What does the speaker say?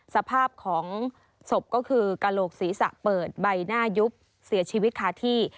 สภาพของศพก็คือกระโหลกศีรษะเปิดใบหน้ายุบเสียชีวิตคาที่